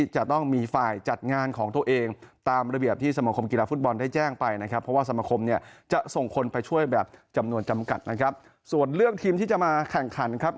จำนวนจำกัดนะครับส่วนเรื่องทีมที่จะมาแข่งขันครับ